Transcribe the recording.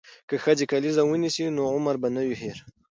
که ښځې کلیزه ونیسي نو عمر به نه وي هیر.